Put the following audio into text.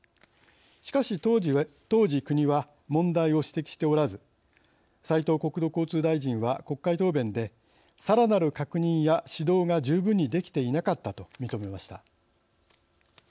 しかし当時国は問題を指摘をしておらず斉藤国土交通大臣は国会答弁で「さらなる確認や指導が十分にできていなかった」と認めました。